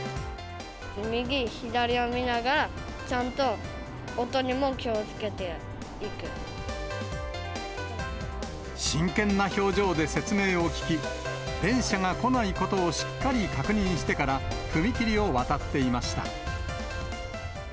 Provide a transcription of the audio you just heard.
右、左を見ながら、真剣な表情で説明を聞き、電車が来ないことをしっかり確認してから、踏切を渡っていました。